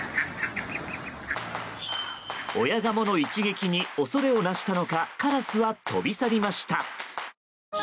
親ガモの一撃に恐れをなしたのかカラスは飛び去りました。